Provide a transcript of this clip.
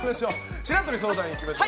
白鳥相談員、いきましょう。